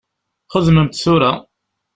Xedmem-t tura.